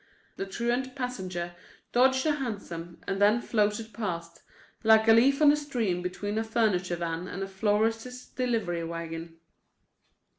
The truant passenger dodged a hansom and then floated past, like a leaf on a stream between a furniture van and a florist's delivery wagon.